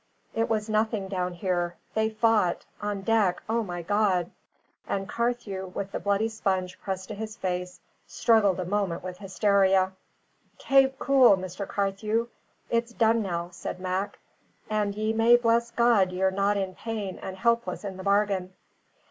It was nothing down here; they fought. On deck O, my God!" And Carthew, with the bloody sponge pressed to his face, struggled a moment with hysteria. "Kape cool, Mr. Cart'ew. It's done now," said Mac; "and ye may bless God ye're not in pain and helpless in the bargain."